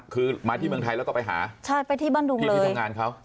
คือมาที่เมืองไทยแล้วก็ไปหาใช่ไปที่บ้านดุงที่ที่ทำงานเขา